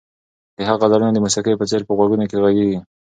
د هغه غزلونه د موسیقۍ په څېر په غوږونو کې غږېږي.